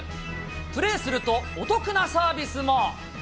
プレーするとお得なサービスも。